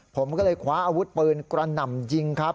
ผมก็เลยคว้าอาวุธปืนกระหน่ำยิงครับ